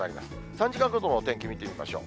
３時間ごとの天気、見てみましょう。